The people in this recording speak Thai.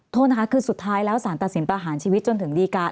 โทษนะคะคือสุดท้ายแล้วสารตัดสินประหารชีวิตจนถึงดีการ